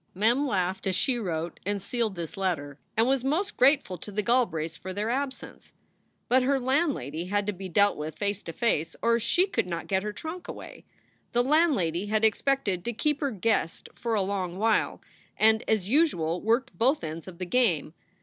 Mem laughed as she wrote and sealed this letter, and was most grateful to the Galbraiths for their absence. But her landlady had to be dealt with face to face or she could not get her trunk away. The landlady had expected to keep her guest for a long while, and as usual worked both ends of the game.